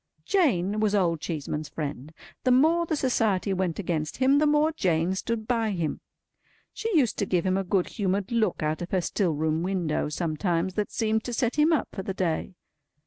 Jane was Old Cheeseman's friend. The more the Society went against him, the more Jane stood by him. She used to give him a good humoured look out of her still room window, sometimes, that seemed to set him up for the day.